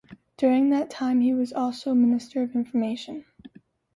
During that time he was also Minister of Information.